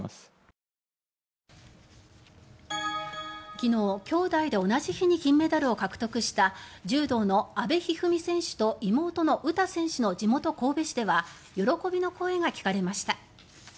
昨日、兄妹で同じ日に金メダルを獲得した柔道の阿部一二三選手と妹の詩選手の地元・神戸市では喜びの声が聞かれました。